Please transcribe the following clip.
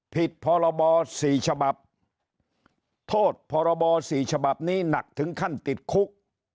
ผิดพรบ๔ฉบับโทษพรบ๔ฉบับนี้หนักถึงขั้นติดคุก